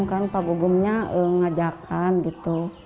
kan pak gugumnya ngajarkan gitu